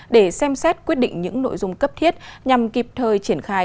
để xem xét quyết định những nội dung cấp thiết nhằm kịp thời triển khai